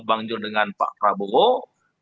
bang john dengan pak prabowo